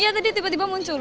ya tadi tiba tiba muncul